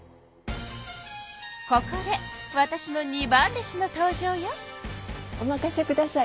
ここでわたしの二番弟子の登場よ。